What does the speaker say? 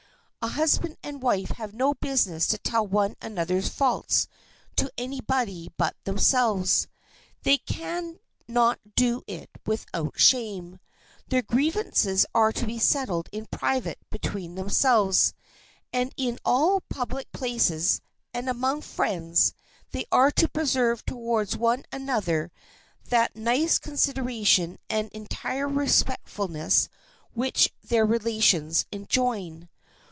A husband and wife have no business to tell one another's faults to any body but themselves. They can not do it without shame. Their grievances are to be settled in private between themselves, and in all public places and among friends they are to preserve towards one another that nice consideration and entire respectfulness which their relations enjoin.